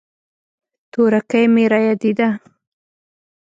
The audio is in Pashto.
تورکى مې رايادېده.